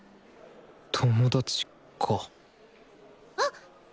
友達かあっ！